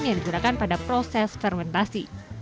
yang digunakan pada proses fermentasi